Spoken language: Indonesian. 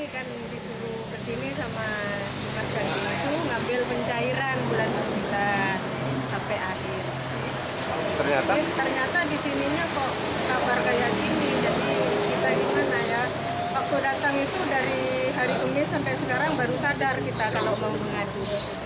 waktu datang itu dari hari kemis sampai sekarang baru sadar kita kalau mau mengadu